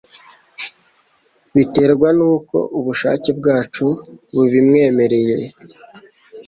biterwa nuko ubushake bwacu bubimwemereye,